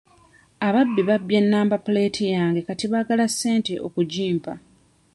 Ababbi babbye namba puleeti yange kati baagala ssente okugimpa.